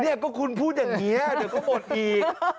เนี่ยก็คุณพูดอย่างนี้เดี๋ยวก็หมดอีก